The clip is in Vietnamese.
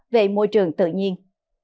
về môi trường tự nhiên